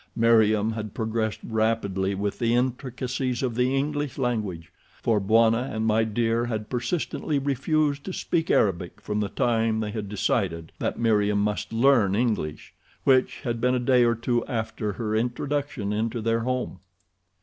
Meriem had progressed rapidly with the intricacies of the English language, for Bwana and My Dear had persistently refused to speak Arabic from the time they had decided that Meriem must learn English, which had been a day or two after her introduction into their home.